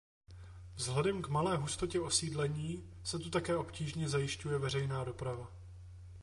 Vzhledem k malé hustotě osídlení se tu také obtížně zajišťuje veřejná doprava.